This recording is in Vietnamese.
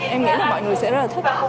em nghĩ là mọi người sẽ rất là thích